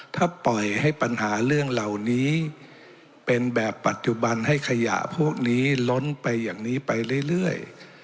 ถ้าปล่อยให้ปัญหาเรื่องเหล่านี้เป็นแบบปัจจุบันให้ขยะพวกนี้ล้นไปอย่างนี้ไปเรื่อย